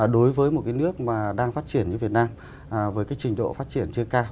đối với một nước đang phát triển như việt nam với trình độ phát triển chưa cao